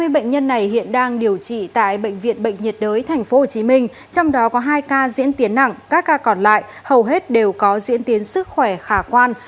hai mươi bệnh nhân này hiện đang điều trị tại bệnh viện bệnh nhiệt đới tp hcm trong đó có hai ca diễn tiến nặng các ca còn lại hầu hết đều có diễn tiến sức khỏe khả quan